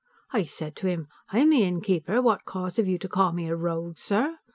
I said to him, "I am the innkeeper; what cause have you to call me a rogue, sir?"